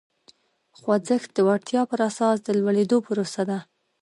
خوځښت د وړتیا پر اساس د لوړېدو پروسه ده.